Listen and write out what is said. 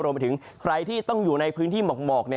รวมไปถึงใครที่ต้องอยู่ในพื้นที่หมอก